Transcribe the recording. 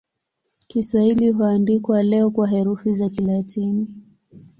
Kiswahili huandikwa leo kwa herufi za Kilatini.